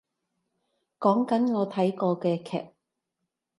講緊我睇過嘅劇